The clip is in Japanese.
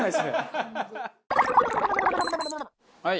はい。